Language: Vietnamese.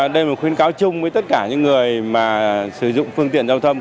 đây là một khuyến cáo chung với tất cả những người mà sử dụng phương tiện giao thông